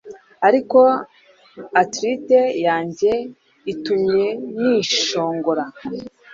ariko arthrite yanjye itumye nishongora